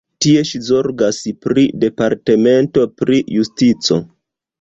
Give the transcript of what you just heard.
Tie ŝi zorgas pri la Departamento pri Justico.